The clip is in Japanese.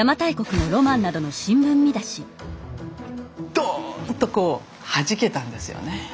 ドーンとこうはじけたんですよね。